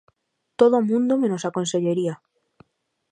¡Todo o mundo menos a consellería!